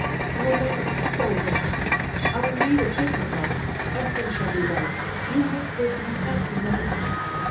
I will never act so again! I will lead a different life! Everything shall be right! You must live to be happy, mother!"